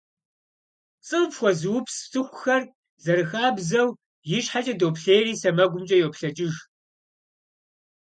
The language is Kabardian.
ПцӀы къыфхуэзыупс цӀыхухэр, зэрыхабзэу, ищхьэкӀэ доплъейри, сэмэгумкӀэ йоплъэкӀ.